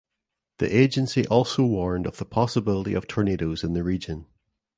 The agency also warned of the possibility of tornadoes in the region.